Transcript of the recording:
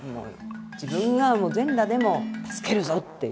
自分が全裸でも助けるぞっていう。